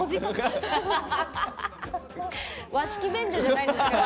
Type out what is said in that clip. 和式便所じゃないんですから。